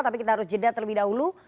tapi kita harus jeda terlebih dahulu